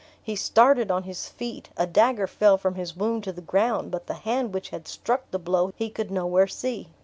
He started on his feet; a dagger fell from his wound to the ground, but the hand which had struck the blow he could nowhere see.